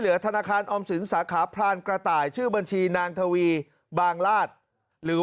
ธนาคารออมสินสาขาพรานกระต่ายชื่อบัญชีนางทวีบางราชหรือ